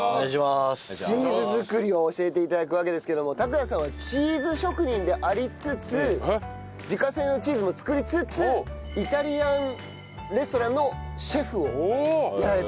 チーズ作りを教えて頂くわけですけども拓也さんはチーズ職人でありつつ自家製のチーズも作りつつイタリアンレストランのシェフをやられていらっしゃる。